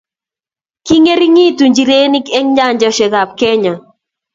Kikongeringitu njirenik eng nyanjosiekab Kenya